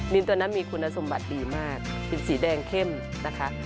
ตัวนั้นมีคุณสมบัติดีมากเป็นสีแดงเข้มนะคะ